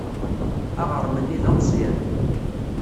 Aɣrem-nni d ameẓyan.